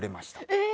え！